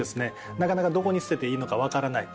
なかなかどこに捨てていいのか分からないと。